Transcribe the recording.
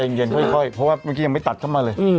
เย็นค่อยเพราะว่าเมื่อกี้ยังไม่ตัดเข้ามาเลย